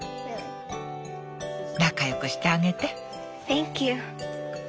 仲良くしてあげて。